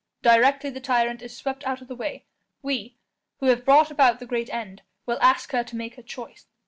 Directly the tyrant is swept out of the way, we, who have brought about the great end, will ask her to make her choice.